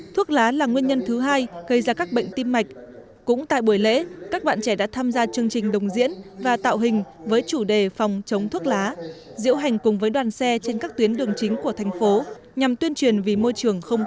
thuốc lá là nguyên nhân thứ hai gây ra các bệnh tim mạch cũng tại buổi lễ các bạn trẻ đã tham gia chương trình đồng diễn và tạo hình với chủ đề phòng chống thuốc lá diễu hành cùng với đoàn xe trên các tuyến đường chính của thành phố nhằm tuyên truyền